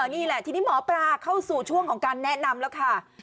นี่แหละทีนี้หมอปลาเข้าสู่ช่วงของการแนะนำแล้วค่ะ